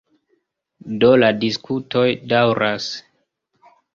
Do la diskutoj daŭras.